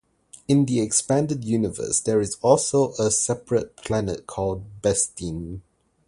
In the Expanded Universe, there is also a separate planet named "Bestine".